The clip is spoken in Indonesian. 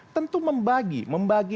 tentu membagi membagi